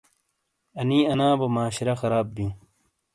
انی آنا بو معاشرہ خراب بِیوں۔